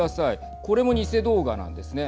これも偽動画なんですね。